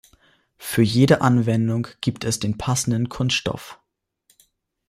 Für jede Anwendung gibt es den passenden Kunststoff.